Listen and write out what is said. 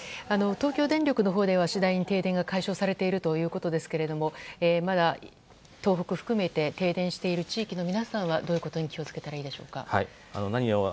東京電力では次第に停電が解消されているということですがまだ東北を含めて停電している地域の皆さんはどういうことに気を付けたらいいでしょうか。